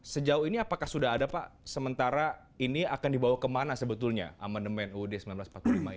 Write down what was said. sejauh ini apakah sudah ada pak sementara ini akan dibawa kemana sebetulnya amandemen uud seribu sembilan ratus empat puluh lima ini